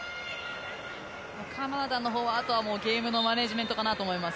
カナダのほうはあとはゲームのマネジメントかなと思います。